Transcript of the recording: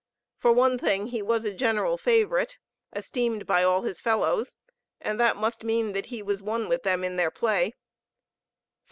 For one thing, he as a general favorite, esteemed by all his fellows; and that must mean that he was one with them in their play.